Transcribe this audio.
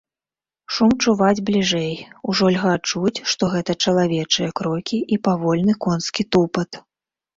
Шум чуваць бліжэй, ужо льга чуць, што гэта чалавечыя крокі і павольны конскі тупат.